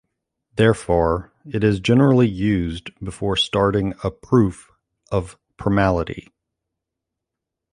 Therefore, it is generally used before starting a proof of primality.